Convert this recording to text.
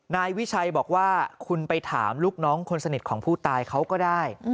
นายวิชัยบอกว่าคุณไปถามลูกน้องคนสนิทของผู้ตายเขาก็ได้